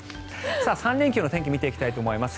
３連休の天気を見ていきたいと思います。